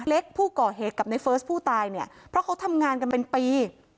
ผู้ก่อเหตุกับในเฟิร์สผู้ตายเนี่ยเพราะเขาทำงานกันเป็นปี